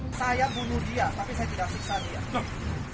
saya bunuh dia tapi saya tidak fiksa dia